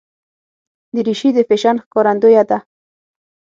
دریشي د فیشن ښکارندویه ده.